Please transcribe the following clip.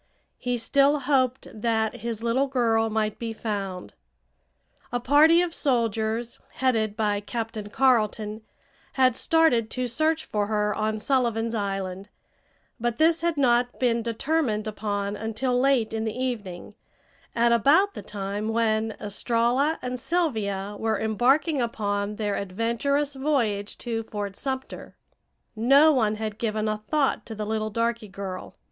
He still hoped that his little girl might be found. A party of soldiers, headed by Captain Carleton, had started to search for her on Sullivan's Island, but this had not been determined upon until late in the evening, at about the time when Estralla and Sylvia were embarking upon their adventurous voyage to Fort Sumter. No one had given a thought to the little darky girl.